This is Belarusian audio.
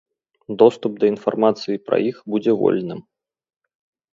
Доступ да інфармацыі пра іх будзе вольным.